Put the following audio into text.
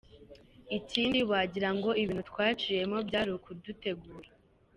Ikindi wagira ngo ibintu twaciyemo byari ukudutegura.